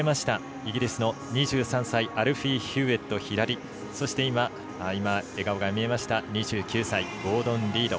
イギリスの２３歳アルフィー・ヒューウェットそして笑顔が見えました２９歳、ゴードン・リード。